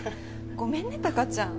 ごめんね貴ちゃん